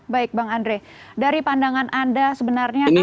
baik bang andre dari pandangan anda sebenarnya